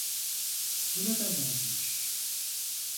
Buradalarmış.